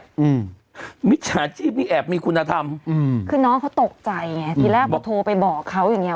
อืมมิจฉาชีพนี่แอบมีคุณธรรมอืมคือน้องเขาตกใจไงทีแรกพอโทรไปบอกเขาอย่างเงี้